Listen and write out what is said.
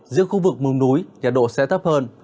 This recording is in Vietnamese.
giữa khu vực mùng núi nhật độ sẽ thấp hơn